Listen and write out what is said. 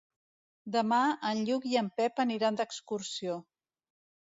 Demà en Lluc i en Pep aniran d'excursió.